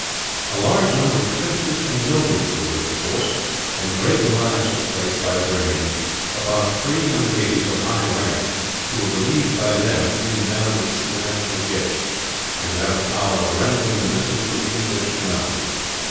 A large number of princes and nobles were with the force; and great reliance was placed, by the Burmese, upon three young ladies of high rank; who were believed by them to be endowed with supernatural gifts, and to have the power of rendering the missiles of the English innocuous.